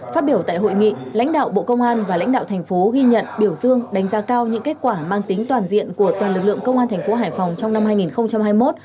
phát biểu tại hội nghị lãnh đạo bộ công an và lãnh đạo thành phố ghi nhận biểu dương đánh giá cao những kết quả mang tính toàn diện của toàn lực lượng công an thành phố hải phòng trong năm hai nghìn hai mươi một